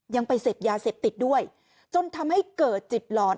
ยังไปเสพยาเสพติดด้วยจนทำให้เกิดจิตหลอน